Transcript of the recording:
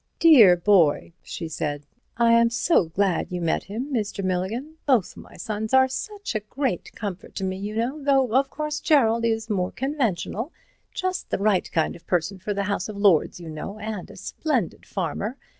"Dear boy," she said, "I am so glad you met him, Mr. Milligan. Both my sons are a great comfort to me, you know, though, of course, Gerald is more conventional—just the right kind of person for the House of Lords, you know, and a splendid farmer.